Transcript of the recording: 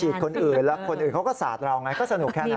คนอื่นแล้วคนอื่นเขาก็สาดเราไงก็สนุกแค่นั้น